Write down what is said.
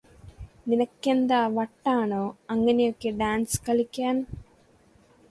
നിനക്കെന്താ വട്ടാണോ അങ്ങനെയൊക്കെ ഡാൻസ് കളിക്കാൻ